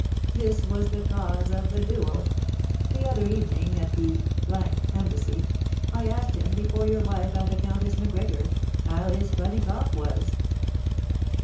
This was the cause of the duel. The other evening at the embassy, I asked him, before your wife and the Countess Macgregor, how his phlegmy cough was?